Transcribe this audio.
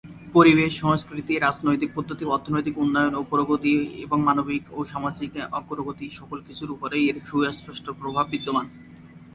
পরিবেশ, সংস্কৃতি, রাজনৈতিক পদ্ধতি, অর্থনৈতিক উন্নয়ন ও প্রগতি এবং মানবিক ও সামাজিক অগ্রগতি; সকল কিছুর উপরই এর সুস্পষ্ট প্রভাব বিদ্যমান।